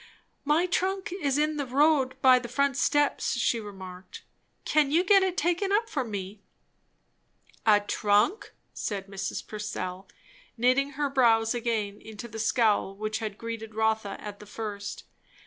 "My trunk is in the road by the front steps," she remarked. "Can you get it taken up for me?" "A trunk?" said Mrs. Purcell, knitting her brows again into the scowl which had greeted Rotha at the first.